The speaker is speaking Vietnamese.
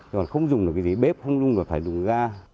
còn không dùng được cái gì bếp không dùng được phải dùng ga